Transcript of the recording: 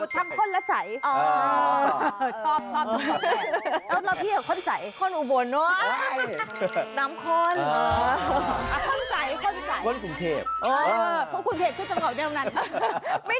ถามว่าเอาน้ำข้นหรือน้ำใส